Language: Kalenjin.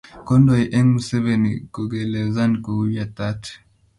Kondoi eng Museveni kokeelezan kou yatat.